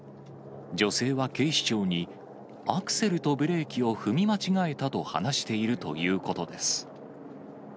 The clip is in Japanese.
女性は警視庁に、アクセルとブレーキを踏み間違えたと話しているということです。